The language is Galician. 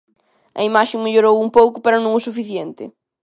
A imaxe mellorou un pouco pero non o suficiente.